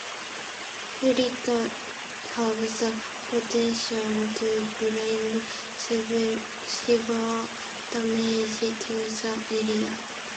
Hurricanes have the potential to bring severe damage to the area.